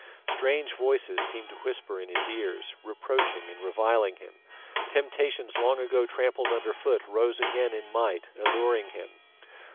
Strange voices seemed to whisper in his ears, reproaching and reviling him; temptations long ago trampled under foot rose again in might, alluring him.